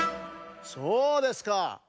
そうですか。